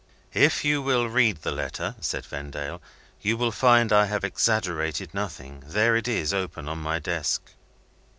"If you will read the letter," said Vendale, "you will find I have exaggerated nothing. There it is, open on my desk."